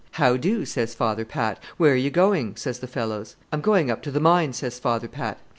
'How do?' says Father Pat. 'Where are you going?' says the fellows. 'I'm going up to the mine,' says Father Pat.